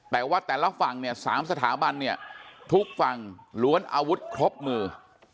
แต่ว่าแต่ละฝั่งเนี่ย๓สถาบันเนี่ยทุกฝั่งล้วนอาวุธครบมือ